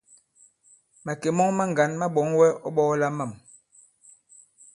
Màkè mɔŋ maŋgǎn ma ɓɔ̌ŋ wɛ ɔ̌ ɓɔ̄ɔla mâm.